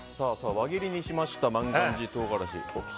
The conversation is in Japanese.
輪切りにしました万願寺とうがらし。